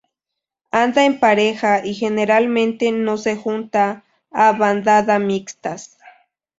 Anda en pareja y generalmente no se junta a bandada mixtas.